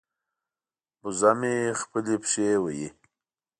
وزه مې خپلې پښې وهي.